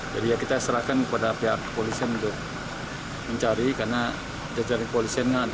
jadi ya kita serahkan kepada pihak polisian untuk mencari karena jajaran polisiannya ada